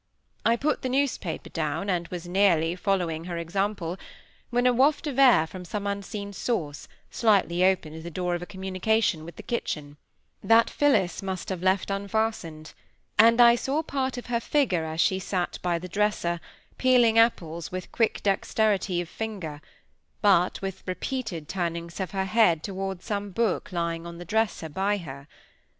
I put the newspaper down, and was nearly following her example, when a waft of air from some unseen source, slightly opened the door of communication with the kitchen, that Phillis must have left unfastened; and I saw part of her figure as she sate by the dresser, peeling apples with quick dexterity of finger, but with repeated turnings of her head towards some book lying on the dresser by her.